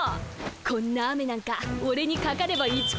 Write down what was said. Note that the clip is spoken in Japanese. こんな雨なんかオレにかかればイチコロだぜ。